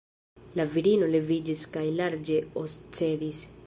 La virino leviĝis kaj larĝe oscedis.